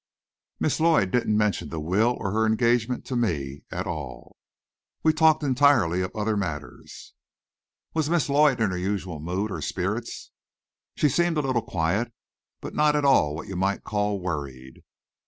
"Miss Lloyd didn't mention the will, or her engagement, to me at all. We talked entirely of other matters." "Was Miss Lloyd in her usual mood or spirits?" "She seemed a little quiet, but not at all what you might call worried."